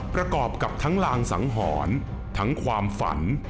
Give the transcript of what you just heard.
ประกอบกับทั้งลางสังหรณ์ทั้งความฝัน